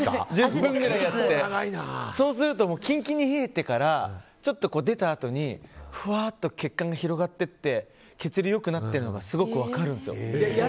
そうするとキンキンに冷えてからちょっと出たあとにふわーっと血管が広がっていって血流が良くなっているのがよく分かるんですよ。